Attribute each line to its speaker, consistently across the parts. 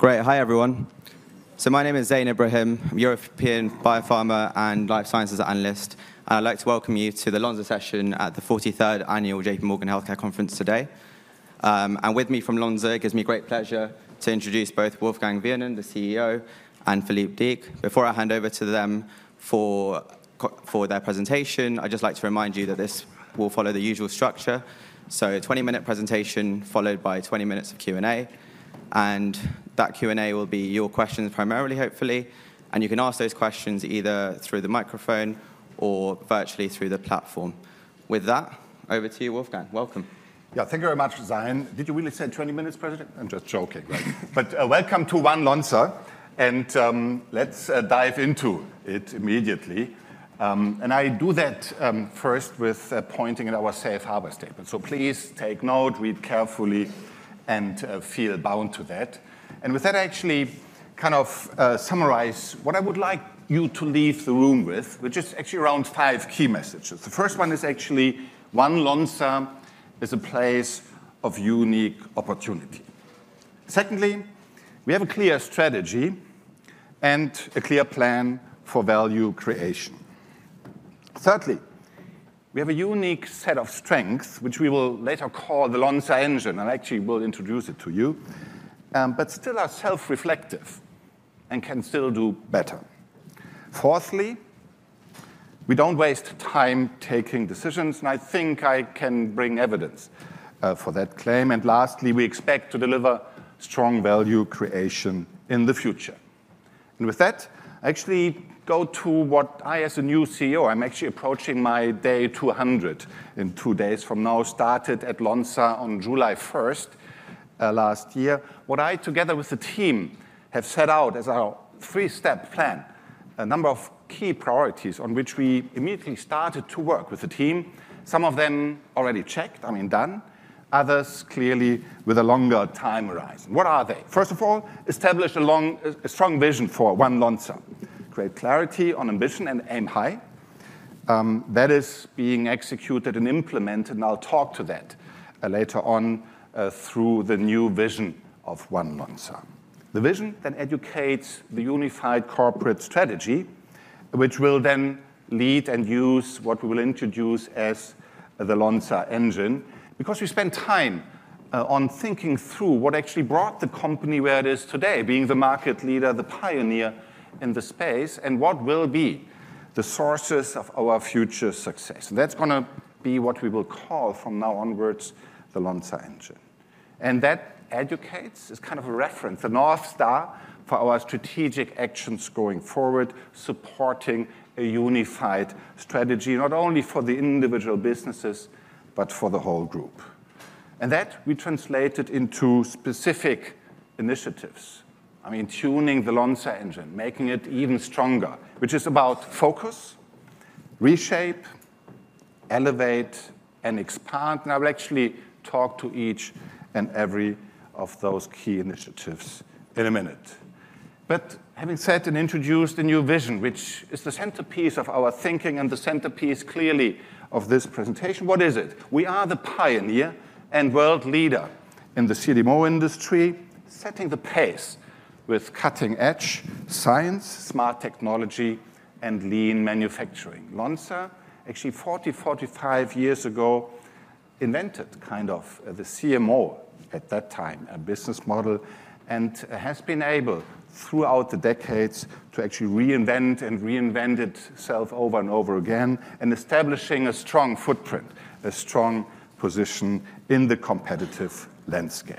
Speaker 1: Great. Hi, everyone. So my name is Zain Ebrahim. I'm a European Biopharmer and Life Sciences Analyst. And I'd like to welcome you to the Lonza session at the 43rd Annual JPMorgan Healthcare Conference today. And with me from Lonza gives me great pleasure to introduce both Wolfgang Wienand, the CEO, and Philippe Deecke. Before I hand over to them for their presentation, I'd just like to remind you that this will follow the usual structure. So a 20-minute presentation followed by 20 minutes of Q&A. And that Q&A will be your questions primarily, hopefully. And you can ask those questions either through the microphone or virtually through the platform. With that, over to you, Wolfgang. Welcome.
Speaker 2: Yeah, thank you very much, Zain. Did you really say 20 minutes, presentation? I'm just joking, right? But welcome to One Lonza. And let's dive into it immediately. And I do that first with pointing at our safe harbor statement. So please take note, read carefully, and feel bound to that. And with that, I actually kind of summarize what I would like you to leave the room with, which is actually around five key messages. The first one is actually, One Lonza is a place of unique opportunity. Secondly, we have a clear strategy and a clear plan for value creation. Thirdly, we have a unique set of strengths, which we will later call the Lonza Engine. And I actually will introduce it to you. But still are self-reflective and can still do better. Fourthly, we don't waste time taking decisions. And I think I can bring evidence for that claim. And lastly, we expect to deliver strong value creation in the future. And with that, I actually go to what I, as a new CEO, I'm actually approaching my day 200 in two days from now, started at Lonza on July 1 last year, what I, together with the team, have set out as our three-step plan, a number of key priorities on which we immediately started to work with the team. Some of them already checked, I mean, done. Others clearly with a longer time horizon. What are they? First of all, establish a strong vision for One Lonza. Create clarity on ambition and aim high. That is being executed and implemented. And I'll talk to that later on through the new vision of One Lonza. The vision then educates the unified corporate strategy, which will then lead and use what we will introduce as the Lonza Engine. Because we spend time on thinking through what actually brought the company where it is today, being the market leader, the pioneer in the space, and what will be the sources of our future success. And that's going to be what we will call from now onwards the Lonza Engine. And that educates is kind of a reference, a North Star for our strategic actions going forward, supporting a unified strategy, not only for the individual businesses, but for the whole group. And that we translated into specific initiatives. I mean, tuning the Lonza Engine, making it even stronger, which is about focus, reshape, elevate, and expand. And I will actually talk to each and every one of those key initiatives in a minute. But having said and introduced a new vision, which is the centerpiece of our thinking and the centerpiece clearly of this presentation, what is it? We are the pioneer and world leader in the CDMO industry, setting the pace with cutting-edge science, smart technology, and lean manufacturing. Lonza, actually 40, 45 years ago, invented kind of the CMO at that time, a business model, and has been able throughout the decades to actually reinvent and reinvent itself over and over again, and establishing a strong footprint, a strong position in the competitive landscape.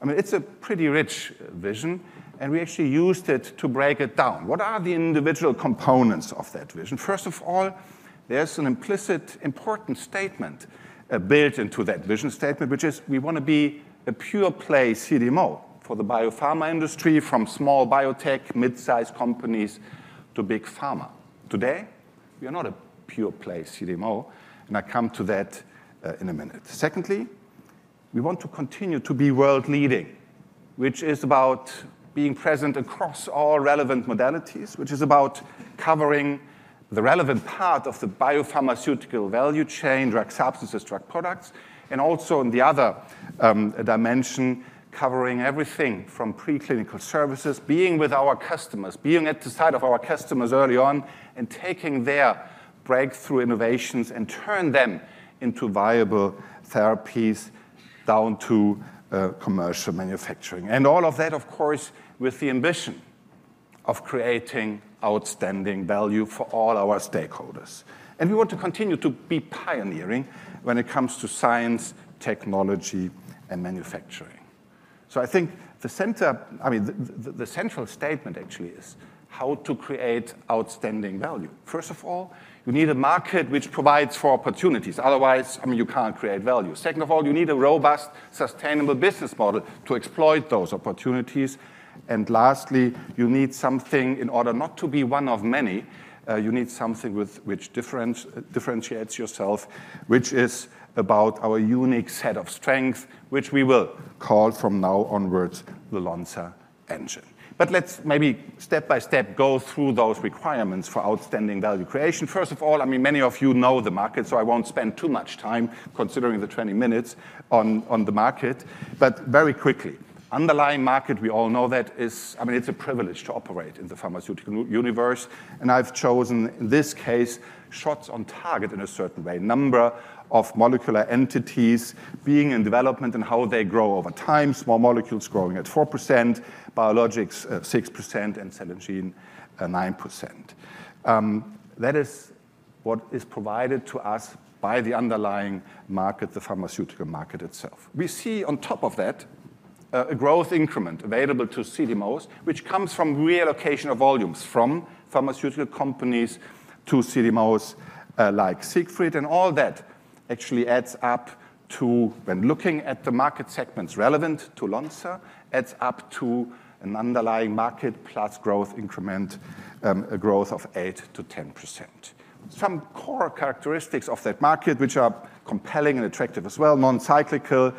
Speaker 2: I mean, it's a pretty rich vision. And we actually used it to break it down. What are the individual components of that vision? First of all, there's an implicit important statement built into that vision statement, which is we want to be a pure-play CDMO for the biopharma industry, from small biotech, mid-sized companies to big pharma. Today, we are not a pure-play CDMO. And I'll come to that in a minute. Secondly, we want to continue to be world leading, which is about being present across all relevant modalities, which is about covering the relevant part of the biopharmaceutical value chain, drug substances, drug products, and also in the other dimension, covering everything from preclinical services, being with our customers, being at the side of our customers early on, and taking their breakthrough innovations and turn them into viable therapies down to commercial manufacturing. And all of that, of course, with the ambition of creating outstanding value for all our stakeholders. We want to continue to be pioneering when it comes to science, technology, and manufacturing. I think the central statement actually is how to create outstanding value. First of all, you need a market which provides for opportunities. Otherwise, I mean, you can't create value. Second of all, you need a robust, sustainable business model to exploit those opportunities. Lastly, you need something in order not to be one of many. You need something with which differentiates yourself, which is about our unique set of strengths, which we will call from now onwards the Lonza Engine. Let's maybe step by step go through those requirements for outstanding value creation. First of all, I mean, many of you know the market. I won't spend too much time considering the 20 minutes on the market. But very quickly, underlying market, we all know that is, I mean, it's a privilege to operate in the pharmaceutical universe. And I've chosen in this case shots on target in a certain way, number of molecular entities being in development and how they grow over time, small molecules growing at 4%, biologics 6%, and cell and gene 9%. That is what is provided to us by the underlying market, the pharmaceutical market itself. We see on top of that a growth increment available to CDMOs, which comes from reallocation of volumes from pharmaceutical companies to CDMOs like Siegfried. And all that actually adds up to, when looking at the market segments relevant to Lonza, adds up to an underlying market plus growth increment, growth of 8%-10%. Some core characteristics of that market, which are compelling and attractive as well, non-cyclical.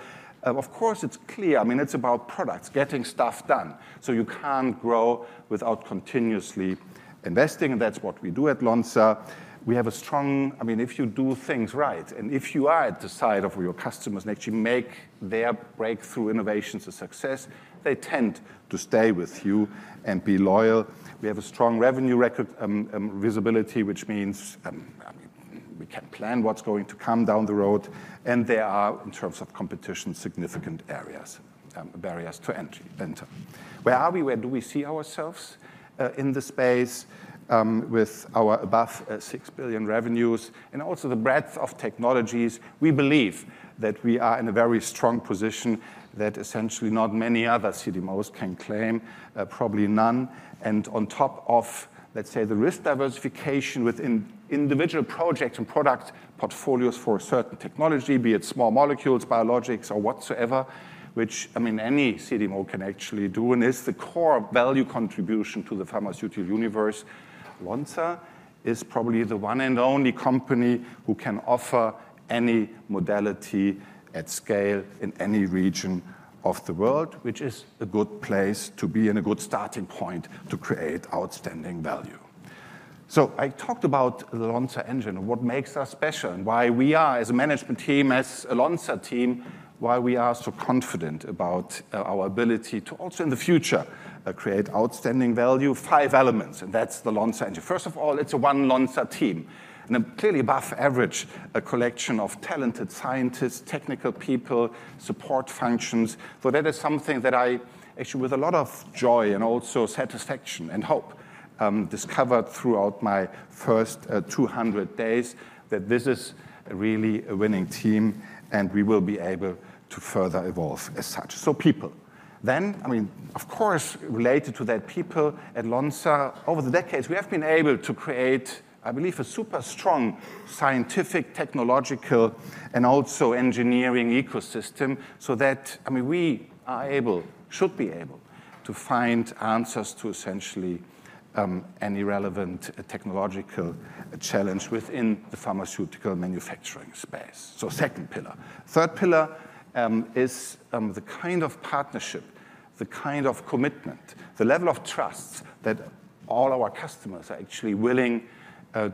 Speaker 2: Of course, it's clear. I mean, it's about products, getting stuff done. You can't grow without continuously investing. That's what we do at Lonza. We have a strong revenue record visibility, which means we can plan what's going to come down the road. In terms of competition, there are significant barriers to enter. Where are we? Where do we see ourselves in the space with our above six billion revenues? Also the breadth of technologies. We believe that we are in a very strong position that essentially not many other CDMOs can claim, probably none. On top of, let's say, the risk diversification within individual projects and product portfolios for a certain technology, be it small molecules, biologics, or whatsoever, which, I mean, any CDMO can actually do. It's the core value contribution to the pharmaceutical universe. Lonza is probably the one and only company who can offer any modality at scale in any region of the world, which is a good place to be and a good starting point to create outstanding value. I talked about the Lonza Engine and what makes us special and why we are, as a management team, as a Lonza team, why we are so confident about our ability to also, in the future, create outstanding value. Five elements. That's the Lonza Engine. First of all, it's a One Lonza team. Then clearly above average, a collection of talented scientists, technical people, support functions. So that is something that I actually, with a lot of joy and also satisfaction and hope, discovered throughout my first 200 days that this is really a winning team. And we will be able to further evolve as such. So people. Then, I mean, of course, related to that, people at Lonza, over the decades, we have been able to create, I believe, a super strong scientific, technological, and also engineering ecosystem so that, I mean, we are able, should be able to find answers to essentially any relevant technological challenge within the pharmaceutical manufacturing space. So second pillar. Third pillar is the kind of partnership, the kind of commitment, the level of trust that all our customers are actually willing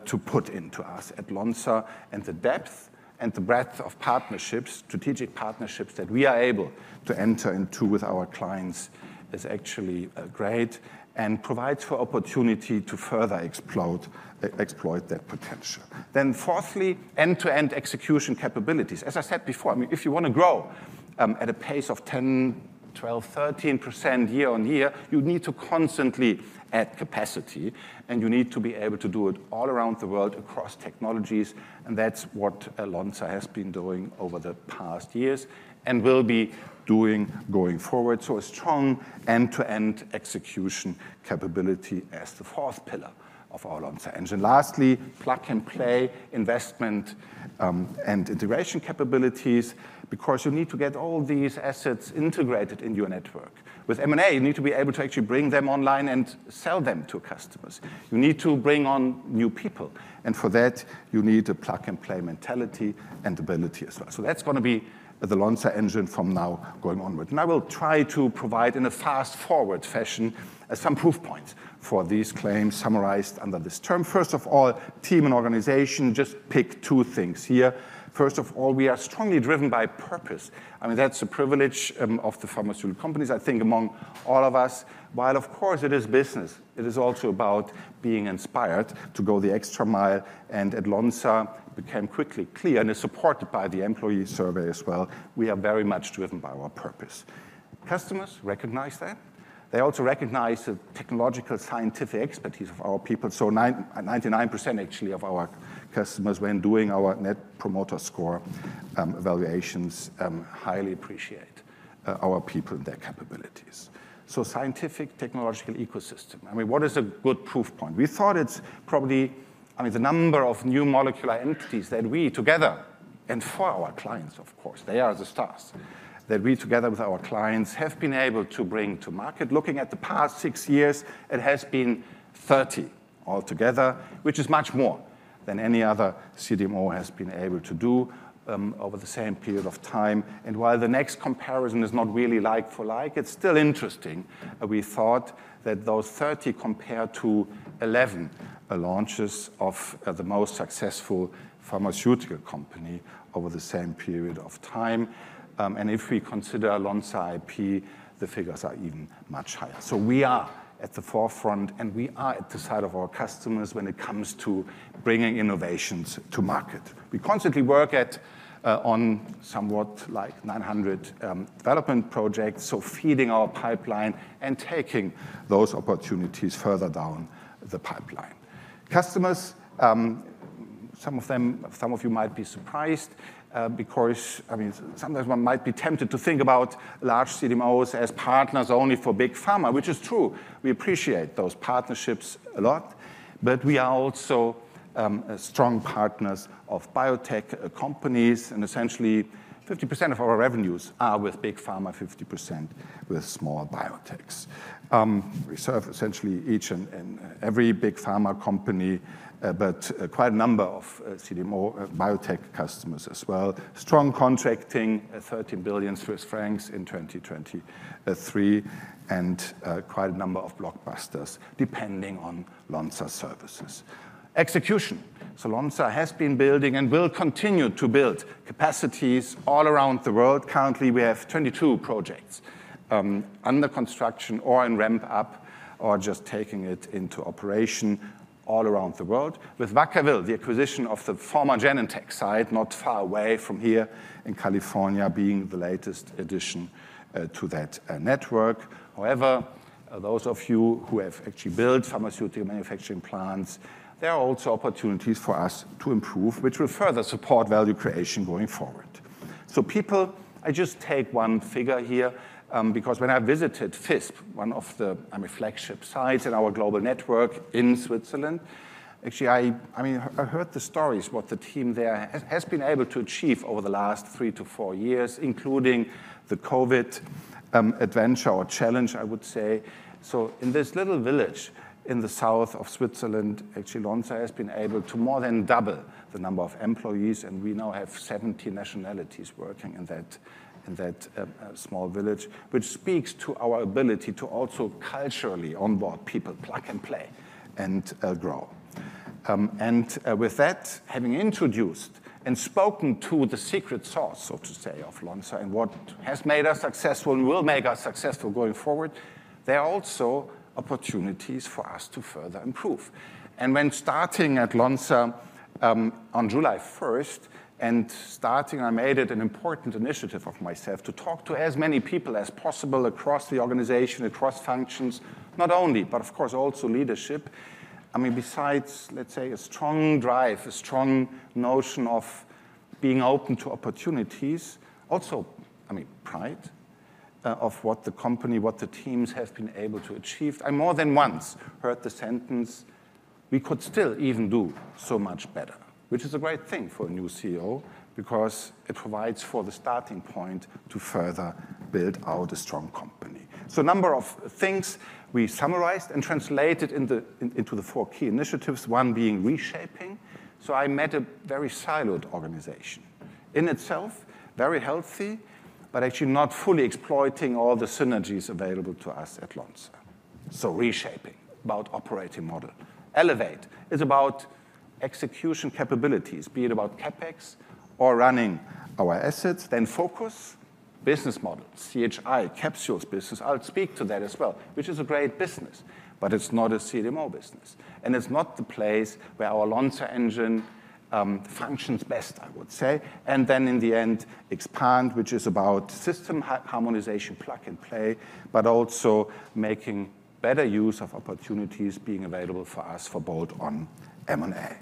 Speaker 2: to put into us at Lonza. And the depth and the breadth of partnerships, strategic partnerships that we are able to enter into with our clients is actually great and provides for opportunity to further exploit that potential. Then fourthly, end-to-end execution capabilities. As I said before, I mean, if you want to grow at a pace of 10%, 12%, 13% year on year, you need to constantly add capacity. And you need to be able to do it all around the world across technologies. And that's what Lonza has been doing over the past years and will be doing going forward. So a strong end-to-end execution capability as the fourth pillar of our Lonza Engine. Lastly, plug-and-play investment and integration capabilities. Because you need to get all these assets integrated into your network. With M&A, you need to be able to actually bring them online and sell them to customers. You need to bring on new people, and for that, you need a plug-and-play mentality and ability as well, so that's going to be the Lonza Engine from now going onward, and I will try to provide in a fast-forward fashion some proof points for these claims summarized under this term. First of all, team and organization, just pick two things here. First of all, we are strongly driven by purpose. I mean, that's a privilege of the pharmaceutical companies, I think, among all of us. While, of course, it is business, it is also about being inspired to go the extra mile, and at Lonza, it became quickly clear, and it's supported by the employee survey as well, we are very much driven by our purpose. Customers recognize that. They also recognize the technological scientific expertise of our people. 99% actually of our customers, when doing our Net Promoter Score evaluations, highly appreciate our people and their capabilities. Scientific technological ecosystem. I mean, what is a good proof point? We thought it's probably, I mean, the number of new molecular entities that we together, and for our clients, of course, they are the stars that we together with our clients have been able to bring to market. Looking at the past six years, it has been 30 altogether, which is much more than any other CDMO has been able to do over the same period of time. While the next comparison is not really like for like, it's still interesting. We thought that those 30 compared to 11 launches of the most successful pharmaceutical company over the same period of time. If we consider Lonza IP, the figures are even much higher. We are at the forefront, and we are at the side of our customers when it comes to bringing innovations to market. We constantly work on somewhat like 900 development projects. Feeding our pipeline and taking those opportunities further down the pipeline. Customers, some of you might be surprised because, I mean, sometimes one might be tempted to think about large CDMOs as partners only for big pharma, which is true. We appreciate those partnerships a lot. We are also strong partners of biotech companies. Essentially, 50% of our revenues are with big pharma, 50% with small biotechs. We serve essentially each and every big pharma company, but quite a number of CDMO biotech customers as well. Strong contracting, 13 billion Swiss francs in 2023, and quite a number of blockbusters depending on Lonza services. Execution. Lonza has been building and will continue to build capacities all around the world. Currently, we have 22 projects under construction or in ramp-up or just taking it into operation all around the world. With Vacaville, the acquisition of the former Genentech site, not far away from here in California, being the latest addition to that network. However, those of you who have actually built pharmaceutical manufacturing plants, there are also opportunities for us to improve, which will further support value creation going forward, so people, I just take one figure here. Because when I visited Visp, one of the flagship sites in our global network in Switzerland, actually, I mean, I heard the stories what the team there has been able to achieve over the last three to four years, including the COVID adventure or challenge, I would say. So in this little village in the south of Switzerland, actually, Lonza has been able to more than double the number of employees. And we now have 70 nationalities working in that small village, which speaks to our ability to also culturally onboard people, plug and play, and grow. And with that, having introduced and spoken to the secret sauce, so to say, of Lonza and what has made us successful and will make us successful going forward, there are also opportunities for us to further improve. And when starting at Lonza on July 1st and starting, I made it an important initiative of myself to talk to as many people as possible across the organization, across functions, not only, but of course, also leadership. I mean, besides, let's say, a strong drive, a strong notion of being open to opportunities, also, I mean, pride of what the company, what the teams have been able to achieve. I more than once heard the sentence, "We could still even do so much better," which is a great thing for a new CEO because it provides for the starting point to further build out a strong company. So a number of things we summarized and translated into the four key initiatives, one being reshaping. So I met a very siloed organization in itself, very healthy, but actually not fully exploiting all the synergies available to us at Lonza. So reshaping, about operating model. Elevate is about execution capabilities, be it about CapEx or running our assets. Then focus, business model, CHI, capsules business. I'll speak to that as well, which is a great business, but it's not a CDMO business, and it's not the place where our Lonza Engine functions best, I would say, and then in the end, expand, which is about system harmonization, plug and play, but also making better use of opportunities being available for us for both on M&A,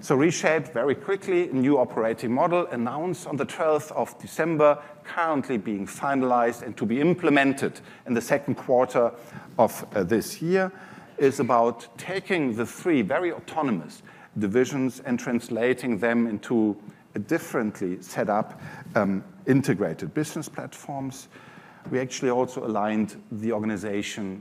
Speaker 2: so reshaped very quickly, a new operating model announced on the 12th of December, currently being finalized and to be implemented in the second quarter of this year, is about taking the three very autonomous divisions and translating them into a differently set up integrated business platforms. We actually also aligned the organizational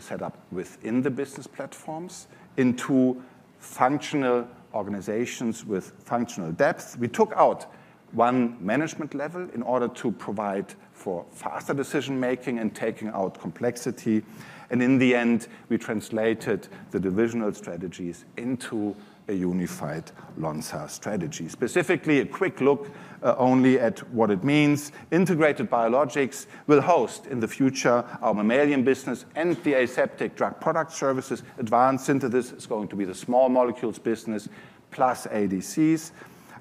Speaker 2: setup within the business platforms into functional organizations with functional depth. We took out one management level in order to provide for faster decision making and taking out complexity. In the end, we translated the divisional strategies into a unified Lonza strategy. Specifically, a quick look only at what it means. Integrated Biologics will host in the future our mammalian business and the aseptic drug product services. Advanced Synthesis is going to be the small molecules business plus ADCs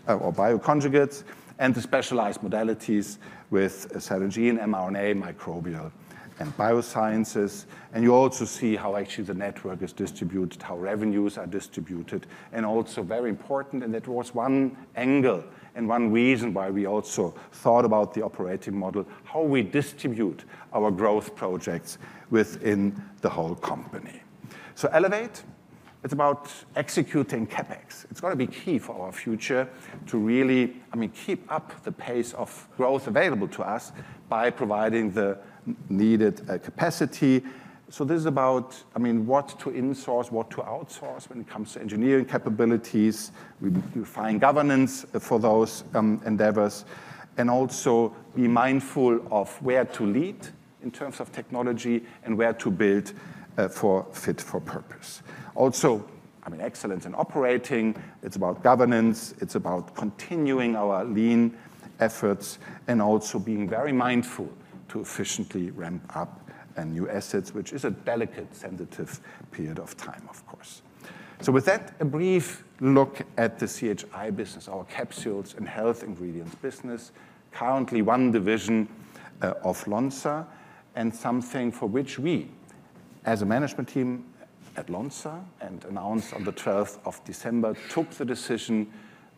Speaker 2: or bioconjugates and the specialized modalities with cell and gene, mRNA, microbial, and biosciences. And you also see how actually the network is distributed, how revenues are distributed. And also very important, and that was one angle and one reason why we also thought about the operating model, how we distribute our growth projects within the whole company. So Elevate, it's about executing CapEx. It's going to be key for our future to really, I mean, keep up the pace of growth available to us by providing the needed capacity. So this is about, I mean, what to insource, what to outsource when it comes to engineering capabilities. We find governance for those endeavors. And also be mindful of where to lead in terms of technology and where to build for fit for purpose. Also, I mean, excellence in operating. It's about governance. It's about continuing our lean efforts, and also being very mindful to efficiently ramp up and new assets, which is a delicate, sensitive period of time, of course. So with that, a brief look at the CHI business, our Capsules and Health Ingredients business. Currently, one division of Lonza and something for which we, as a management team at Lonza, announced on the 12th of December, took the decision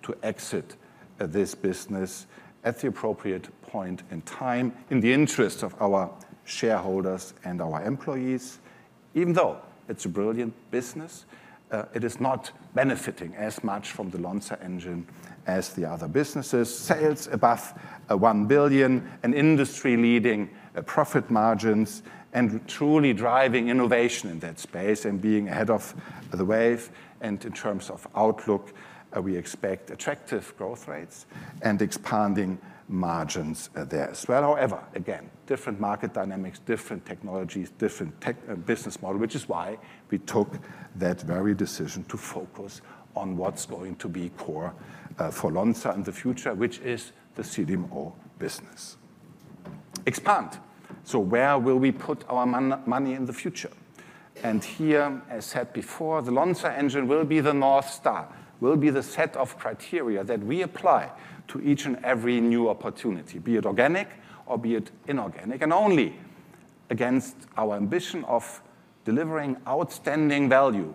Speaker 2: to exit this business at the appropriate point in time in the interest of our shareholders and our employees. Even though it's a brilliant business, it is not benefiting as much from the Lonza Engine as the other businesses. Sales above one billion, an industry-leading profit margins, and truly driving innovation in that space and being ahead of the wave, and in terms of outlook, we expect attractive growth rates and expanding margins there as well. However, again, different market dynamics, different technologies, different business model, which is why we took that very decision to focus on what's going to be core for Lonza in the future, which is the CDMO business. Expand, so where will we put our money in the future, and here, as said before, the Lonza Engine will be the North Star, will be the set of criteria that we apply to each and every new opportunity, be it organic or be it inorganic, and only against our ambition of delivering outstanding value.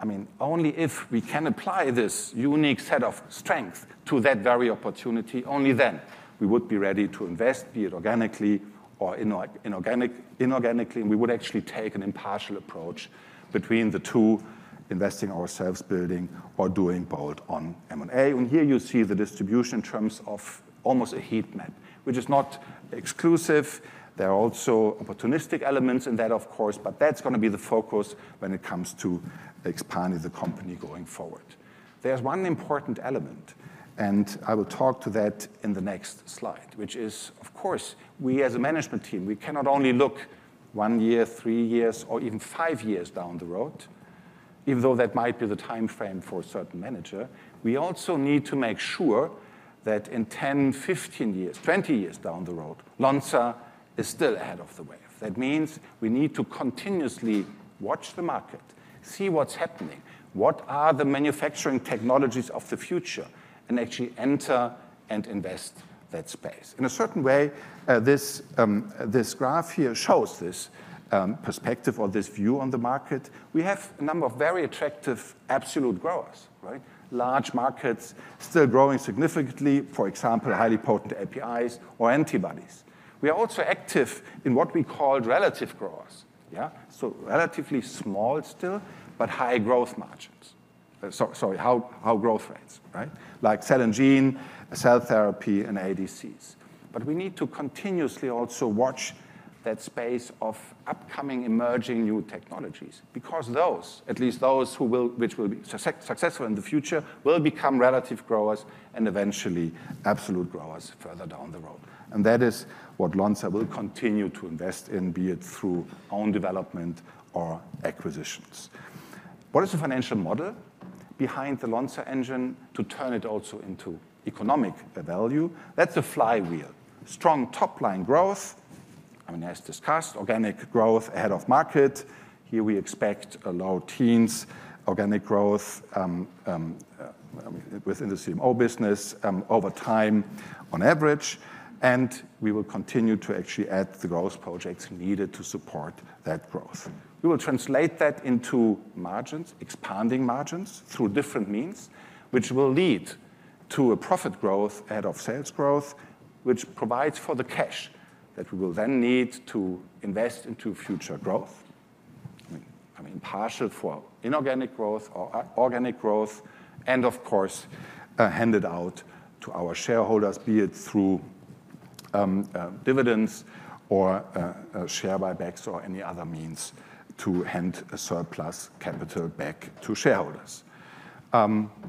Speaker 2: I mean, only if we can apply this unique set of strength to that very opportunity, only then we would be ready to invest, be it organically or inorganically, and we would actually take an impartial approach between the two, investing ourselves, building, or doing both on M&A, and here you see the distribution in terms of almost a heat map, which is not exclusive. There are also opportunistic elements in that, of course, but that's going to be the focus when it comes to expanding the company going forward. There's one important element, and I will talk to that in the next slide, which is, of course, we as a management team, we cannot only look one year, three years, or even five years down the road. Even though that might be the time frame for a certain manager, we also need to make sure that in 10, 15 years, 20 years down the road, Lonza is still ahead of the wave. That means we need to continuously watch the market, see what's happening, what are the manufacturing technologies of the future, and actually enter and invest that space. In a certain way, this graph here shows this perspective or this view on the market. We have a number of very attractive absolute growers, right? Large markets still growing significantly, for example, highly potent APIs or antibodies. We are also active in what we call relative growers, yeah? So relatively small still, but high growth margins. Sorry, high growth rates, right? Like cell and gene, cell therapy, and ADCs. But we need to continuously also watch that space of upcoming emerging new technologies because those, at least those who will, which will be successful in the future, will become relative growers and eventually absolute growers further down the road. And that is what Lonza will continue to invest in, be it through own development or acquisitions. What is the financial model behind the Lonza Engine to turn it also into economic value? That's a flywheel. Strong top-line growth, I mean, as discussed, organic growth ahead of market. Here we expect a low teens organic growth within the CDMO business over time on average. And we will continue to actually add the growth projects needed to support that growth. We will translate that into margins, expanding margins through different means, which will lead to a profit growth ahead of sales growth, which provides for the cash that we will then need to invest into future growth. I mean, imperative for inorganic growth or organic growth, and of course, hand it out to our shareholders, be it through dividends or share buybacks or any other means to hand surplus capital back to shareholders.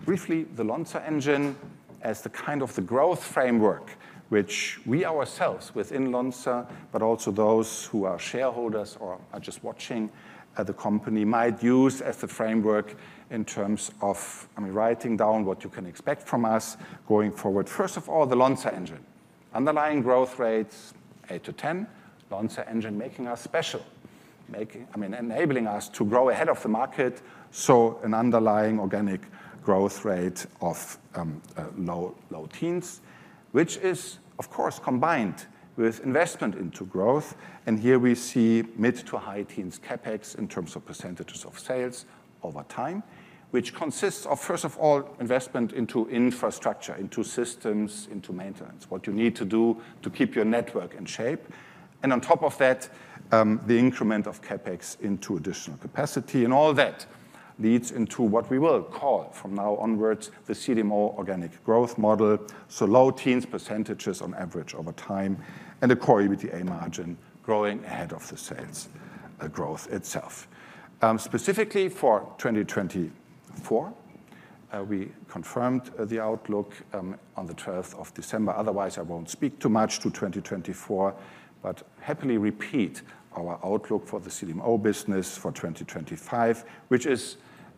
Speaker 2: Briefly, the Lonza Engine as the kind of growth framework, which we ourselves within Lonza, but also those who are shareholders or are just watching the company might use as the framework in terms of, I mean, writing down what you can expect from us going forward. First of all, the Lonza Engine. Underlying growth rates, 8-10, Lonza Engine making us special, I mean, enabling us to grow ahead of the market. An underlying organic growth rate of low-teens, which is, of course, combined with investment into growth. And here we see mid- to high-teens CapEx in terms of % of sales over time, which consists of, first of all, investment into infrastructure, into systems, into maintenance, what you need to do to keep your network in shape. And on top of that, the increment of CapEx into additional capacity and all that leads into what we will call from now onwards the CDMO organic growth model. Low-teens % on average over time and a core EBITDA margin growing ahead of the sales growth itself. Specifically for 2024, we confirmed the outlook on the 12th of December. Otherwise, I won't speak too much to 2024, but happily repeat our outlook for the CDMO business for 2025, which is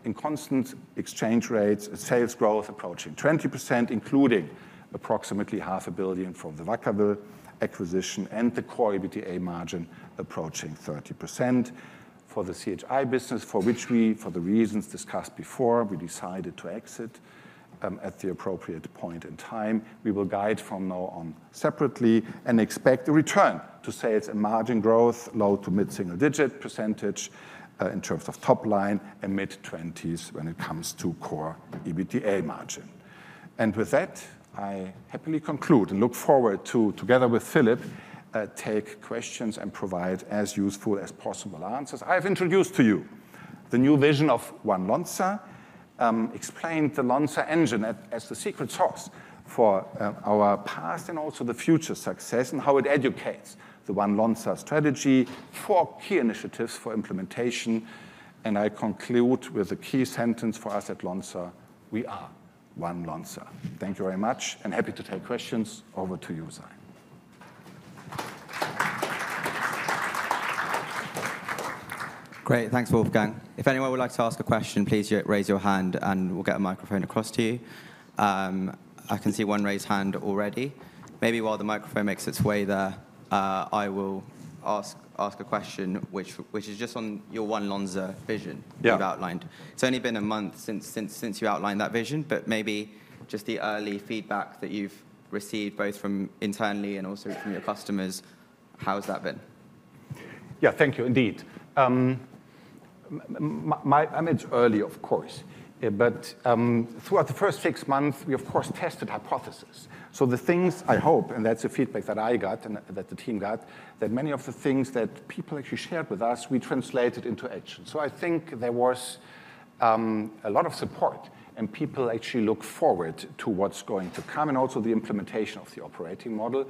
Speaker 2: in constant exchange rates, sales growth approaching 20%, including approximately 500 million from the Vacaville acquisition and the Core EBITDA margin approaching 30% for the CHI business, for which we, for the reasons discussed before, decided to exit at the appropriate point in time. We will guide from now on separately and expect a return to sales and margin growth, low- to mid-single-digit % in terms of top line and mid-20s % when it comes to Core EBITDA margin. With that, I happily conclude and look forward to, together with Philippe, taking questions and providing as useful as possible answers. I have introduced to you the new vision of One Lonza, explained the Lonza Engine as the secret sauce for our past and also the future success and how it educates the One Lonza strategy, four key initiatives for implementation. I conclude with a key sentence for us at Lonza, we are One Lonza. Thank you very much, and happy to take questions. Over to you, Zain.
Speaker 1: Great. Thanks to all for coming. If anyone would like to ask a question, please raise your hand and we'll get a microphone across to you. I can see one raised hand already. Maybe while the microphone makes its way there, I will ask a question, which is just on your One Lonza vision you've outlined. It's only been a month since you outlined that vision, but maybe just the early feedback that you've received both from internally and also from your customers, how has that been?
Speaker 2: Yeah, thank you indeed. I mean, it's early, of course, but throughout the first six months, we, of course, tested hypotheses. So the things I hope, and that's the feedback that I got and that the team got, that many of the things that people actually shared with us, we translated into action. So I think there was a lot of support and people actually look forward to what's going to come and also the implementation of the operating model,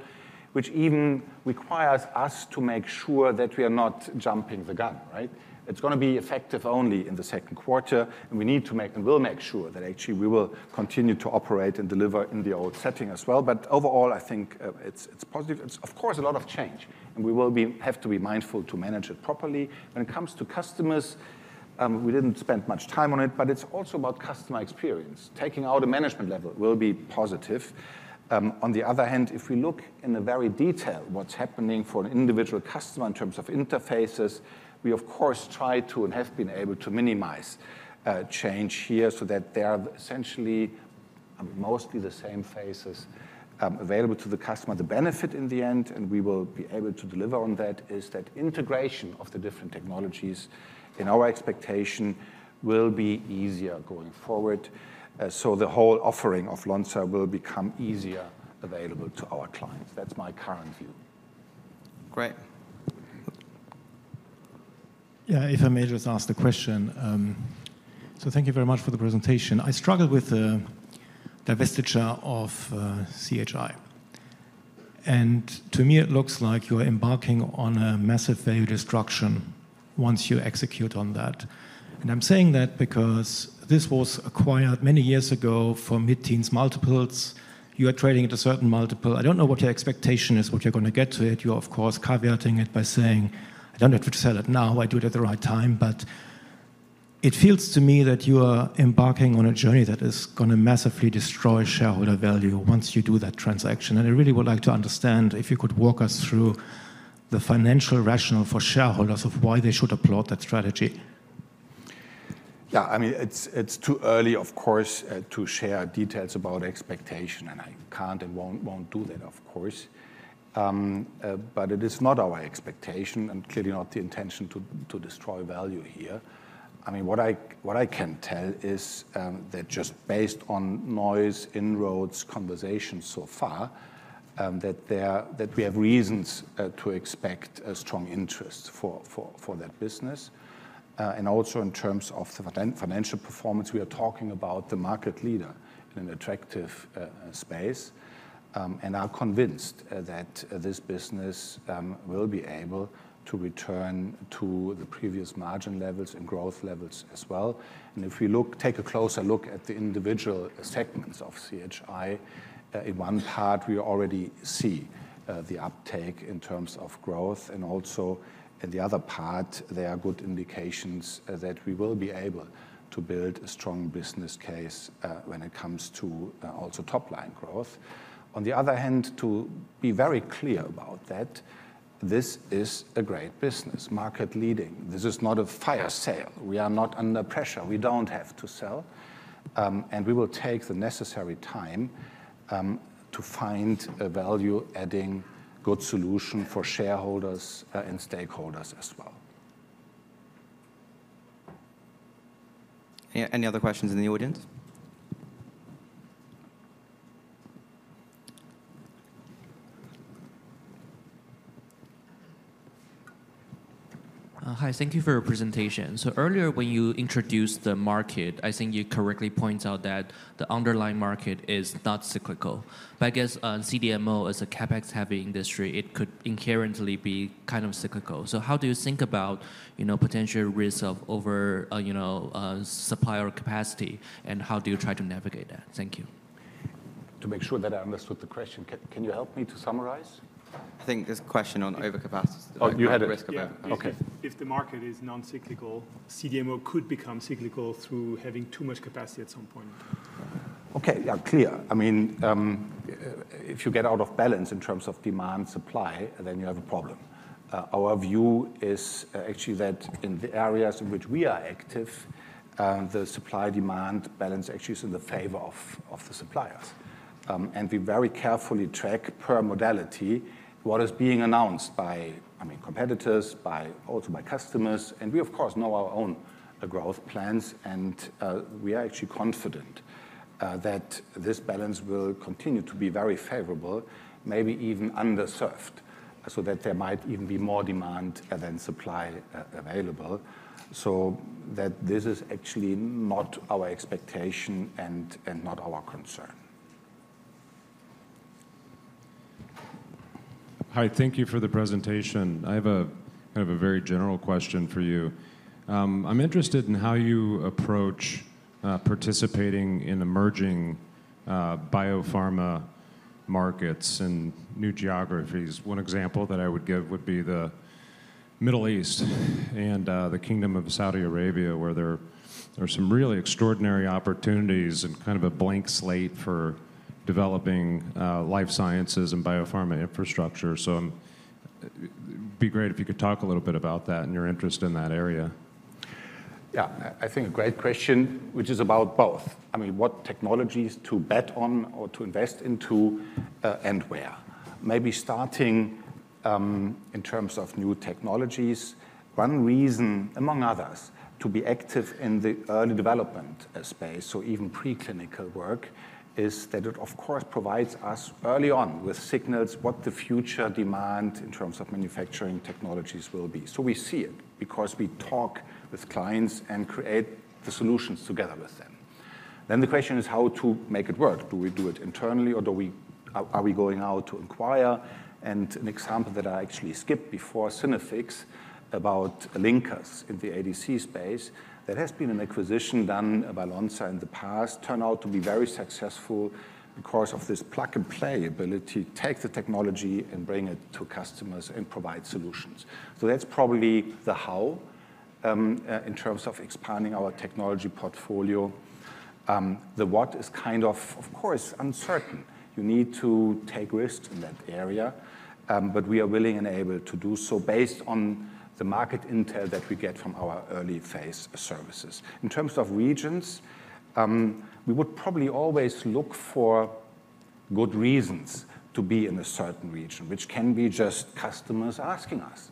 Speaker 2: which even requires us to make sure that we are not jumping the gun, right? It's going to be effective only in the second quarter and we need to make and will make sure that actually we will continue to operate and deliver in the old setting as well. But overall, I think it's positive. It's, of course, a lot of change and we will have to be mindful to manage it properly. When it comes to customers, we didn't spend much time on it, but it's also about customer experience. Taking out a management level will be positive. On the other hand, if we look in very detail what's happening for an individual customer in terms of interfaces, we, of course, try to and have been able to minimize change here so that there are essentially mostly the same faces available to the customer. The benefit in the end, and we will be able to deliver on that, is that integration of the different technologies in our expectation will be easier going forward. So the whole offering of Lonza will become easier available to our clients. That's my current view. Great. Yeah, if I may just ask the question. So thank you very much for the presentation. I struggled with the divestiture of CHI, and to me, it looks like you are embarking on a massive value destruction once you execute on that, and I'm saying that because this was acquired many years ago for mid teens multiples. You are trading at a certain multiple. I don't know what your expectation is, what you're going to get to it. You are, of course, caveating it by saying, "I don't have to sell it now. I do it at the right time." But it feels to me that you are embarking on a journey that is going to massively destroy shareholder value once you do that transaction. And I really would like to understand if you could walk us through the financial rationale for shareholders of why they should applaud that strategy. Yeah, I mean, it's too early, of course, to share details about expectation, and I can't and won't do that, of course. But it is not our expectation and clearly not the intention to destroy value here. I mean, what I can tell is that just based on NDA conversations so far, that we have reasons to expect a strong interest for that business. And also in terms of the financial performance, we are talking about the market leader in an attractive space and are convinced that this business will be able to return to the previous margin levels and growth levels as well. And if we take a closer look at the individual segments of CHI, in one part, we already see the uptake in terms of growth. And also in the other part, there are good indications that we will be able to build a strong business case when it comes to also top line growth. On the other hand, to be very clear about that, this is a great business, market leading. This is not a fire sale. We are not under pressure. We don't have to sell. And we will take the necessary time to find a value-adding good solution for shareholders and stakeholders as well.
Speaker 1: Any other questions in the audience? Hi, thank you for your presentation. So earlier when you introduced the market, I think you correctly point out that the underlying market is not cyclical. But I guess CDMO, as a CapEx-heavy industry, it could inherently be kind of cyclical. So how do you think about potential risk of over supply or capacity, and how do you try to navigate that? Thank you.
Speaker 2: To make sure that I understood the question, can you help me to summarize? I think this question on overcapacity is a risk about. Okay. If the market is non-cyclical, CDMO could become cyclical through having too much capacity at some point. Okay, yeah, clear. I mean, if you get out of balance in terms of demand-supply, then you have a problem. Our view is actually that in the areas in which we are active, the supply-demand balance actually is in the favor of the suppliers. And we very carefully track per modality what is being announced by, I mean, competitors, also by customers. And we, of course, know our own growth plans, and we are actually confident that this balance will continue to be very favorable, maybe even underserved, so that there might even be more demand than supply available, so that this is actually not our expectation and not our concern. Hi, thank you for the presentation. I have a very general question for you. I'm interested in how you approach participating in emerging biopharma markets and new geographies. One example that I would give would be the Middle East and the Kingdom of Saudi Arabia, where there are some really extraordinary opportunities and kind of a blank slate for developing life sciences and biopharma infrastructure. So it'd be great if you could talk a little bit about that and your interest in that area. Yeah, I think a great question, which is about both. I mean, what technologies to bet on or to invest into and where. Maybe starting in terms of new technologies, one reason, among others, to be active in the early development space, so even preclinical work, is that it, of course, provides us early on with signals what the future demand in terms of manufacturing technologies will be. So we see it because we talk with clients and create the solutions together with them. Then the question is how to make it work. Do we do it internally or are we going out to inquire? And an example that I actually skipped before, Synaffix, about linkers in the ADC space, that has been an acquisition done by Lonza in the past, turned out to be very successful because of this plug-and-play ability, take the technology and bring it to customers and provide solutions. So that's probably the how in terms of expanding our technology portfolio. The what is kind of, of course, uncertain. You need to take risks in that area, but we are willing and able to do so based on the market intel that we get from our early phase services. In terms of regions, we would probably always look for good reasons to be in a certain region, which can be just customers asking us.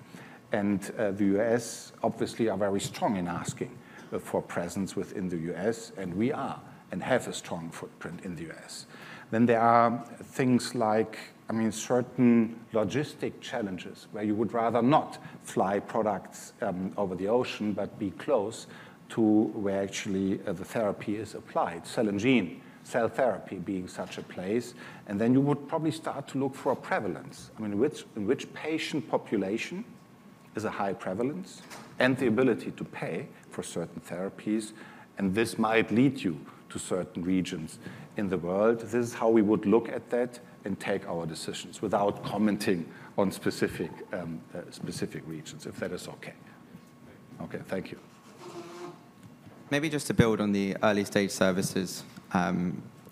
Speaker 2: And the U.S., obviously, are very strong in asking for presence within the U.S., and we are and have a strong footprint in the U.S. Then there are things like, I mean, certain logistic challenges where you would rather not fly products over the ocean but be close to where actually the therapy is applied, cell and gene, cell therapy being such a place. And then you would probably start to look for a prevalence. I mean, in which patient population is a high prevalence and the ability to pay for certain therapies, and this might lead you to certain regions in the world. This is how we would look at that and take our decisions without commenting on specific regions, if that is okay. Okay, thank you.
Speaker 1: Maybe just to build on the early stage services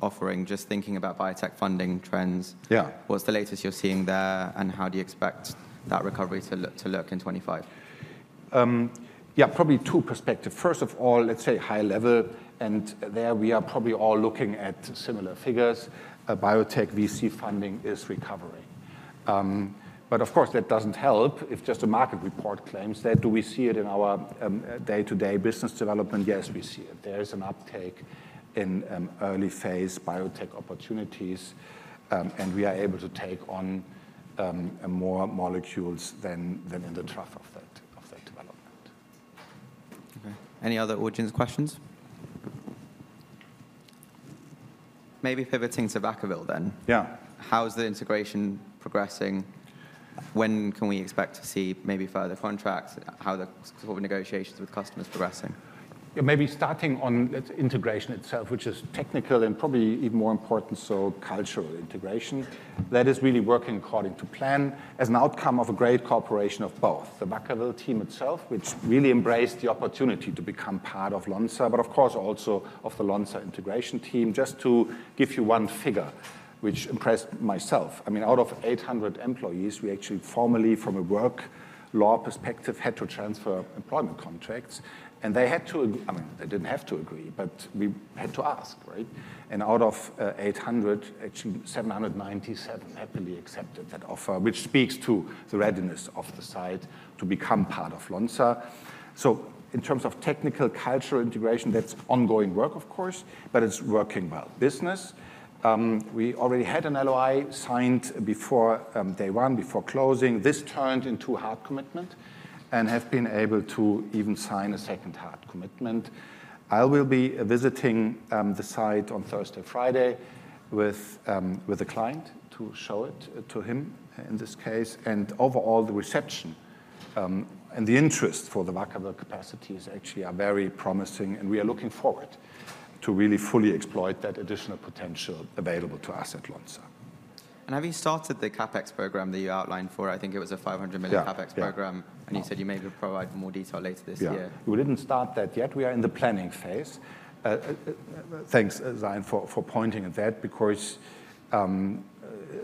Speaker 1: offering, just thinking about biotech funding trends. What's the latest you're seeing there and how do you expect that recovery to look in 2025?
Speaker 2: Yeah, probably two perspectives. First of all, let's say high level, and there we are probably all looking at similar figures. Biotech VC funding is recovering. But of course, that doesn't help if just a market report claims that. Do we see it in our day-to-day business development? Yes, we see it. There is an uptake in early phase biotech opportunities, and we are able to take on more molecules than in the trough of that development.
Speaker 1: Okay. Any other audience questions? Maybe pivoting to Vacaville then.
Speaker 2: Yeah.
Speaker 1: How is the integration progressing? When can we expect to see maybe further contracts? How are the negotiations with customers progressing?
Speaker 2: Yeah, maybe starting on integration itself, which is technical and probably even more important, so cultural integration. That is really working according to plan as an outcome of a great cooperation of both the Vacaville team itself, which really embraced the opportunity to become part of Lonza, but of course also of the Lonza integration team. Just to give you one figure, which impressed myself, I mean, out of 800 employees, we actually formally, from a work law perspective, had to transfer employment contracts, and they had to, I mean, they didn't have to agree, but we had to ask, right, and out of 800, actually 797 happily accepted that offer, which speaks to the readiness of the site to become part of Lonza. So in terms of technical cultural integration, that's ongoing work, of course, but it's working well. Business, we already had an LOI signed before day one, before closing. This turned into hard commitment and have been able to even sign a second hard commitment. I will be visiting the site on Thursday, Friday with a client to show it to him in this case, and overall, the reception and the interest for the Vacaville capacity is actually very promising, and we are looking forward to really fully exploit that additional potential available to us at Lonza.
Speaker 1: And have you started the CapEx program that you outlined for? I think it was a 500 million CapEx program, and you said you maybe provide more detail later this year.
Speaker 2: Yeah, we didn't start that yet. We are in the planning phase. Thanks, Zain, for pointing at that because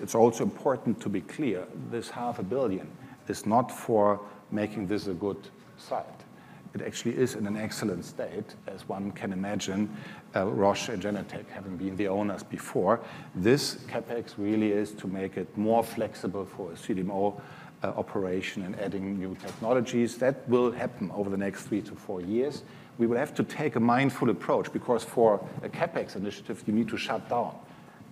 Speaker 2: it's also important to be clear. This 500 million is not for making this a good site. It actually is in an excellent state, as one can imagine, Roche and Genentech having been the owners before. This CapEx really is to make it more flexible for a CDMO operation and adding new technologies. That will happen over the next three to four years. We will have to take a mindful approach because for a CapEx initiative, you need to shut down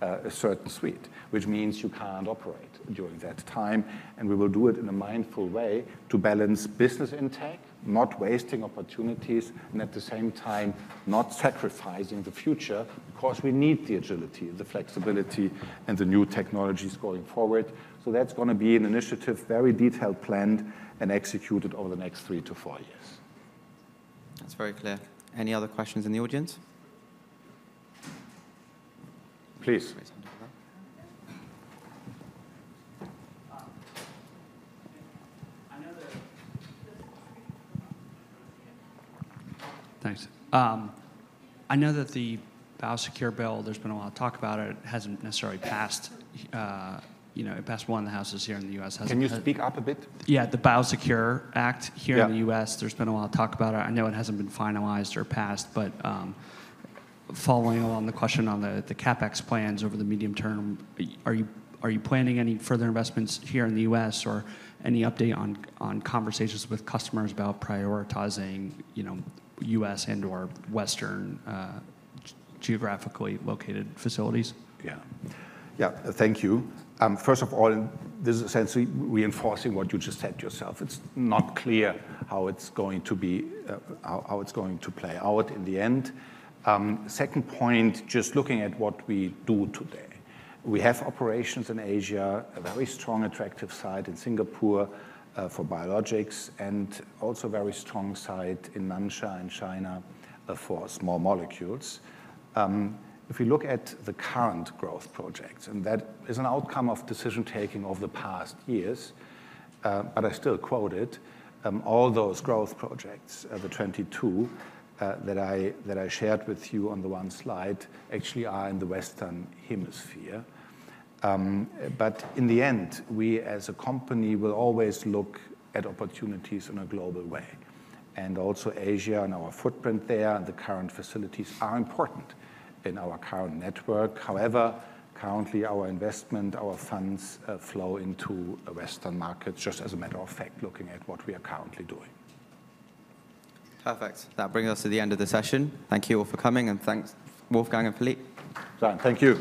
Speaker 2: a certain suite, which means you can't operate during that time, and we will do it in a mindful way to balance business intake, not wasting opportunities, and at the same time, not sacrificing the future because we need the agility, the flexibility, and the new technologies going forward. So that's going to be an initiative, very detailed, planned and executed over the next three to four years.
Speaker 1: That's very clear. Any other questions in the audience? Please. Thanks. I know that the BioSecure bill, there's been a lot of talk about it. It hasn't necessarily passed. It passed one of the houses here in the U.S. Can you speak up a bit? Yeah, the BioSecure Act here in the U.S., there's been a lot of talk about it. I know it hasn't been finalized or passed, but following along the question on the CapEx plans over the medium term, are you planning any further investments here in the U.S. or any update on conversations with customers about prioritizing U.S. and/or Western geographically located facilities?
Speaker 2: Yeah. Yeah, thank you. First of all, this is essentially reinforcing what you just said yourself. It's not clear how it's going to be, how it's going to play out in the end. Second point, just looking at what we do today, we have operations in Asia, a very strong attractive site in Singapore for biologics and also a very strong site in Nansha in China for small molecules. If you look at the current growth projects, and that is an outcome of decision taking over the past years, but I still quote it, all those growth projects, the 22 that I shared with you on the one slide, actually are in the Western hemisphere. But in the end, we as a company will always look at opportunities in a global way. And also Asia and our footprint there and the current facilities are important in our current network. However, currently, our investment, our funds flow into Western markets just as a matter of fact, looking at what we are currently doing.
Speaker 1: Perfect. That brings us to the end of the session. Thank you all for coming, and thanks, Wolfgang and Philippe.
Speaker 2: Zain, thank you.